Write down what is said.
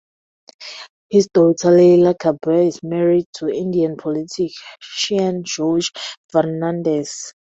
His daughter Leila Kabir is married to Indian politician George Fernandes.